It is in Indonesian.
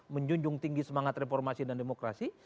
menjunjung tinggi semangat reformasi dan demokrasi